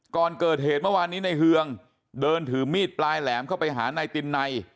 ก่อนเกิดเหตุเมื่อวานนี้ในเฮืองเดินถือมีดปลายแหลมเข้าไปหานายตินใน